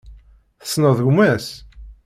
Tessneḍ gma-s?